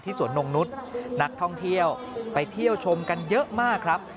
สวนนงนุษย์นักท่องเที่ยวไปเที่ยวชมกันเยอะมากครับ